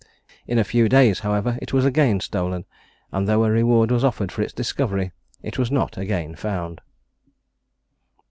In a few days, however, it was again stolen; and though a reward was offered for its discovery, it was not again found.